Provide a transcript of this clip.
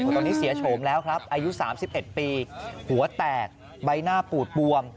ตอนนี้เสียโฉมแล้วครับอายุ๓๑ปีหัวแตกใบหน้าปูดบวม